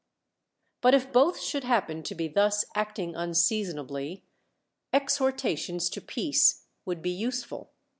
But if both should happen to be thus acting un seasonably, exhortations to peace would be use i'ul.